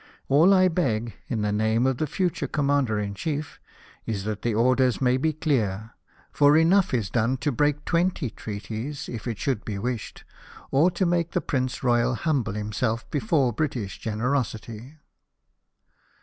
All I beg, in the name of the future Commander in Chief, is that the orders may be clear ; for enough is done to break twenty treaties, if it should be wished, or to make the Prince Royal, humble himself before British generosity."